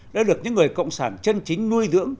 đã được những người cộng sản chân chính nuôi dưỡng